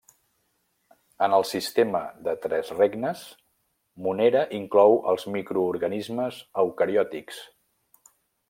En el sistema de tres regnes, Monera inclou els microorganismes eucariòtics.